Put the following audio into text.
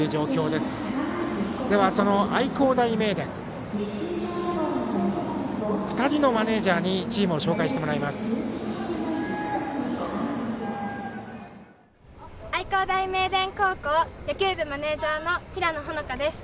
では、その愛工大名電２人のマネージャーにチームを紹介してもらいます。